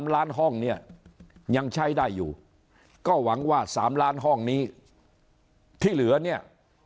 ๓ล้านห้องเนี่ยยังใช้ได้อยู่ก็หวังว่า๓ล้านห้องนี้ที่เหลือเนี่ย